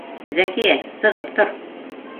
— Зәкиә, сығып тор